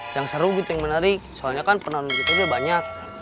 yang seru gitu yang menarik soalnya kan penonton kita banyak